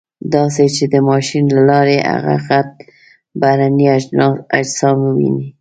داسې چې د ماشین له لارې هغه غټ بهرني اجسام وویني.